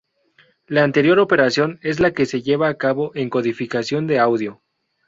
La anterior operación es la que se lleva a cabo en codificación de audio.